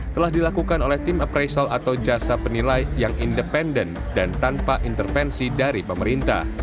telah dilakukan oleh tim appraisal atau jasa penilai yang independen dan tanpa intervensi dari pemerintah